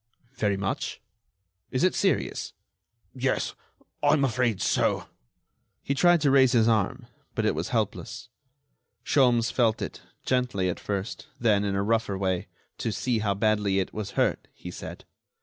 "Very much?... Is it serious?" "Yes, I am afraid so." He tried to raise his arm, but it was helpless. Sholmes felt it, gently at first, then in a rougher way, "to see how badly it was hurt," he said.